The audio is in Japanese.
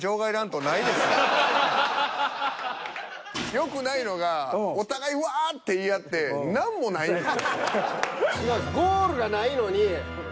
よくないのがお互いわあって言い合って違うんです。